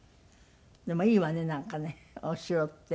でもいいわねなんかねお城って。